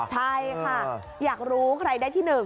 ใช่ค่ะอยากรู้ใครได้ที่๑